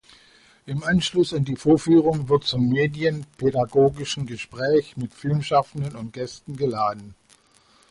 Im Anschluss an die Vorführung wird zum medienpädagogischen Gespräch mit Filmschaffenden und Gästen geladen.